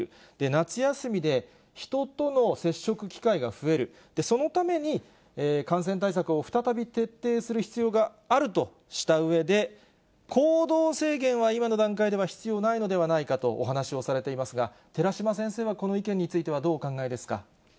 夏休みで人との接触機会が増える、そのために感染対策を再び徹底する必要があるとしたうえで、行動制限は今の段階では必要ないのではないかとお話をされていますが、寺嶋先生はこの意見についてはどうお考えですか。